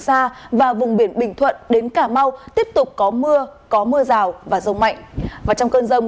tại bệnh viện phụ sản trung ương